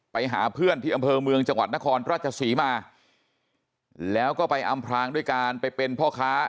ไปหาเพื่อนที่อำเภอเมืองจังหวัดนครราชศรีมาแล้วก็ไปอำพลางด้วยการไปเป็นพ่อค้า